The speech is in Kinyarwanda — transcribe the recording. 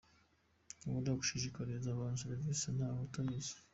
Ntushobora gushishikariza abantu serivisi nawe utazi.